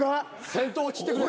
先頭を切ってくれ。